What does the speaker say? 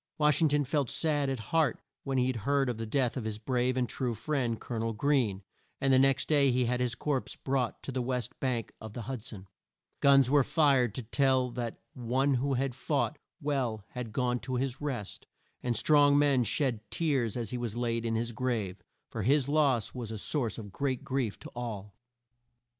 Wash ing ton felt sad at heart when he heard of the death of his brave and true friend, Col o nel Greene, and the next day he had his corpse brought to the west bank of the Hud son. Guns were fired to tell that one who had fought well had gone to his rest, and strong men shed tears as he was laid in his grave, for his loss was a source of great grief to all.